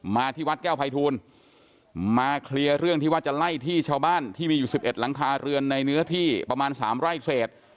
มาที่วัดแก้วภัยทูลมาเคลียร์เรื่องที่ว่าจะไล่ที่ชาวบ้านที่มีอยู่๑๑หลังคาเรือนในเนื้อที่ประมาณ๓ไร่เศษ